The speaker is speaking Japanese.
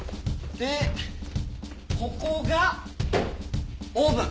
でここがオーブン。